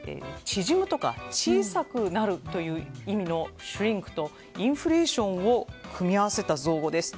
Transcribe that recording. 縮むとか小さくなるという意味のシュリンクとインフレーションを組み合わせた造語です。